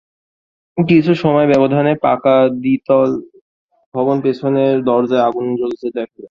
কিছু সময় ব্যবধানে পাকা দ্বিতল ভবনের পেছনের দরজায় আগুন জ্বলতে দেখা যায়।